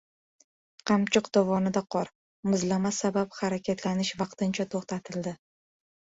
Qamchiq dovonida qor, muzlama sabab harakatlanish vaqtincha toʻxtatildi.